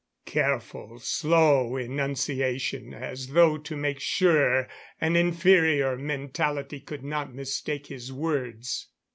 Careful, slow enunciation as though to make sure an inferior mentality could not mistake his words.